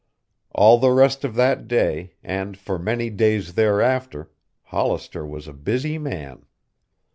All the rest of that day, and for many days thereafter, Hollister was a busy man.